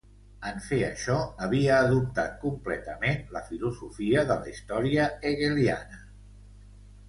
En fer això, havia adoptat completament la filosofia de la història hegeliana.